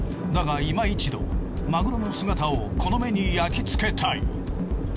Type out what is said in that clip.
だが今一度マグロの姿をこの目に焼きつけたい。